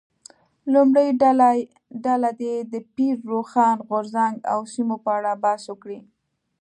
لومړۍ ډله دې د پیر روښان غورځنګ او سیمو په اړه بحث وکړي.